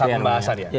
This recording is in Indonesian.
satu pembahasan ya